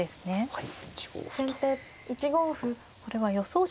はい。